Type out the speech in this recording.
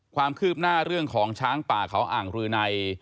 ความคืบหน้าเรื่องของช้างป่าเขาอ่างรืนัย